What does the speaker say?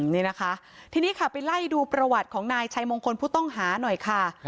นี่นะคะทีนี้ค่ะไปไล่ดูประวัติของนายชัยมงคลผู้ต้องหาหน่อยค่ะ